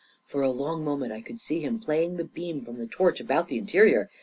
For a long moment I could see him playing the beam from the torch about the interior.